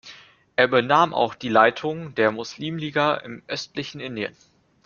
Er übernahm auch die Leitung der Muslimliga im östlichen Indien.